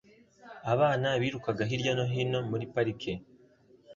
Abana birukaga hirya no hino muri parike